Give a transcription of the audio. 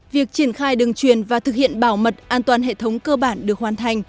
việc triển khai đường truyền và thực hiện bảo mật an toàn hệ thống cơ bản được hoàn thành